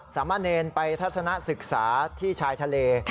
สามะเนรไปทัศนะศึกษาที่ชายทะเล